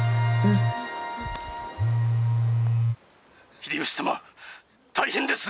「秀吉様大変です！」。